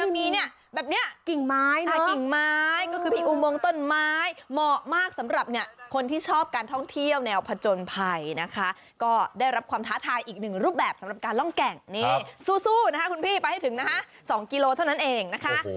มีเนี่ยแบบนี้กิ่งไม้นะกิ่งไม้ก็คือพี่อุโมงต้นไม้เหมาะมากสำหรับเนี่ยคนที่ชอบการท่องเที่ยวแนวผจญภัยนะคะก็ได้รับความท้าทายอีกหนึ่งรูปแบบสำหรับการร่องแก่งนี่สู้นะคะคุณพี่ไปให้ถึงนะคะ๒กิโลเท่านั้นเองนะคะ